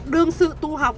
đương sự tu học